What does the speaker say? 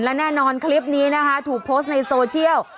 และแน่นอนคลิปนี้นะคะถูกโพสต์ในโซเชียล